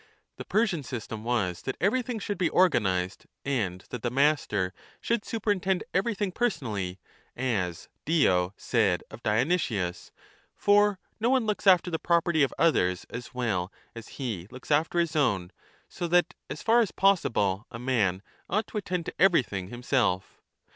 The Persian I344 1 OECONOMICA system was that everything should be organized and that 35 the master should superintend everything personally, as Dio said of Dionysius ; for no one looks after the property of others as well as he looks after his own, so that, as far as !345 11 possible, a man ought to attend to everything himself.